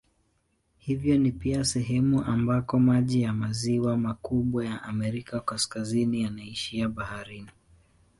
Hivyo ni pia sehemu ambako maji ya maziwa makubwa ya Amerika Kaskazini yanaishia baharini.